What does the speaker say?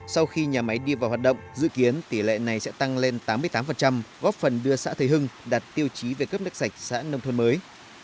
sau khi nhà máy đi vào hoạt động dự kiến tỷ lệ này sẽ tăng lên tám mươi tám góp phần đưa xã thế hưng đặt tiêu chí về cấp nước sạch xã nông thôn mới